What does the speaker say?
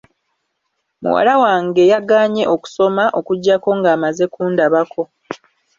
Muwala wange yagaanye okusoma okuggyako ng'amaze kundabako.